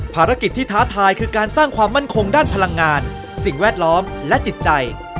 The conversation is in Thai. ภารกิจที่ท้าทายคือการสร้างความมั่นคงด้านพลังงานสิ่งแวดล้อมและจิตใจ